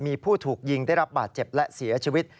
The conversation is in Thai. มีผู้ถูกยิงได้รับบาดเจ็บและเสียชีวิต